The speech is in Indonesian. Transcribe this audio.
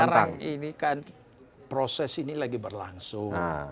sekarang ini kan proses ini lagi berlangsung